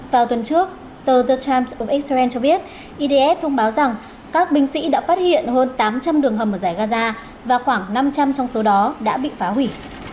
vào tuần trước tờ the times oxy cho biết idf thông báo rằng các binh sĩ đã phát hiện hơn tám trăm linh đường hầm ở giải gaza và khoảng năm trăm linh trong số đó đã bị phá hủy